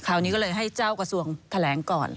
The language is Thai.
คราวนี้ก็เลยให้เจ้ากระทรวงแถลงก่อน